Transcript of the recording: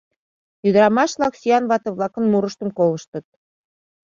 Ӱдырамаш-влак сӱан вате-влакын мурыштым колыштыт.